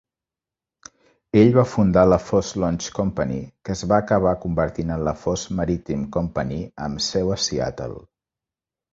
Ella va fundar la Foss Launch Company, que es va acabar convertint en la Foss Maritime Company, amb seu a Seattle.